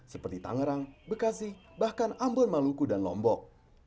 seperti tangerang bekasi bahkan ambon maluku dan lombok